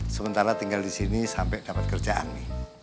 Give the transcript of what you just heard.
sementara tinggal disini sampai dapat kerjaan nih